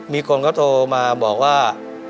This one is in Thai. มีคนเขาโทรมาบอกว่า